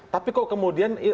tapi kok kemudian